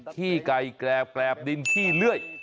ขี้ไก่แกรบแกรบดินขี้เลื่อย